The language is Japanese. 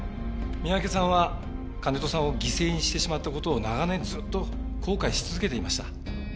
三宅さんは金戸さんを犠牲にしてしまった事を長年ずっと後悔し続けていました。